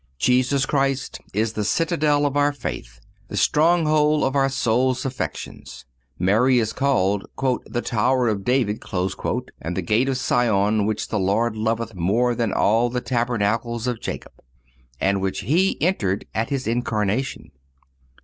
Jesus Christ is the citadel of our faith, the stronghold of our soul's affections. Mary is called the "Tower of David," and the gate of Sion which the Lord loveth more than all the tabernacles of Jacob,(254) and which He entered at His Incarnation.